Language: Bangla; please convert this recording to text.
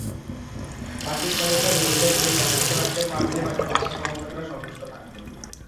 বাকি সময়টা নিজেদের পোস্ট অক্ষত রাখতে পারলেই হয়তো বার্সা সমর্থকেরা সন্তুষ্ট থাকত।